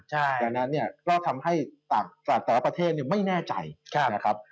ดังนั้นเนี่ยก็ทำให้แต่ละประเทศไม่แน่ใจนะครับ